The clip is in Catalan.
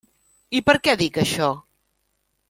I per què dic això?